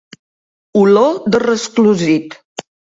Olor de resclosit.